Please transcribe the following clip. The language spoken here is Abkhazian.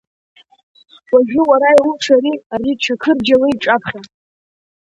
Уажәы уара иулшари ари Чақырџьалы иҿапхьа?